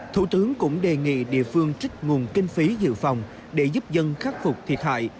thủ tướng cũng đề nghị địa phương trích nguồn kinh phí dự phòng để giúp dân khắc phục thiệt hại